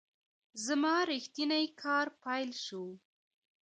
زما ریښتینی کار پیل شو .